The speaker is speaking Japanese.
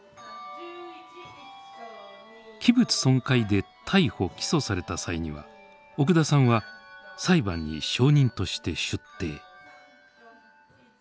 器物損壊で逮捕・起訴された際には奥田さんは裁判に証人として出廷。